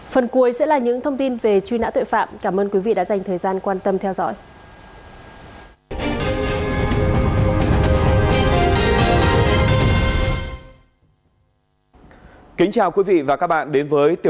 phần cuối sẽ là những thông tin về truy nã tội phạm cảm ơn quý vị đã dành thời gian quan tâm theo dõi